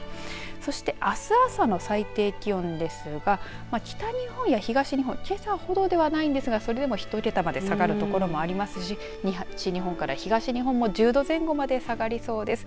そして、あす朝の最低気温ですが北日本や東日本けさほどではないんですがそれでも１桁まで下がる所もありますし西日本から東日本も１０度前後まで下がりそうです。